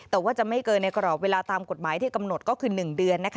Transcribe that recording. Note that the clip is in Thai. แต่ว่าจะไม่เกินในกรอบเวลาตามกฎหมายที่กำหนดก็คือ๑เดือน